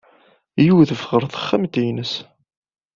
Yudef ɣer texxamt-nsen.